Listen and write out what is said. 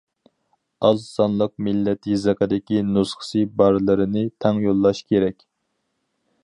ئاز سانلىق مىللەت يېزىقىدىكى نۇسخىسى بارلىرىنى تەڭ يوللاش كېرەك.